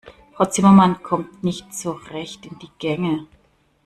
Frau Zimmermann kommt nicht so recht in die Gänge.